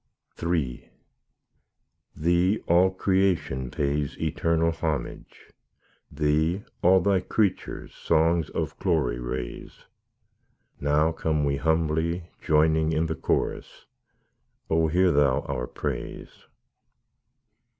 III Thee all creation pays eternal homage; Thee all Thy creatures songs of glory raise; Now come we humbly, joining in the chorus, O hear Thou our praise.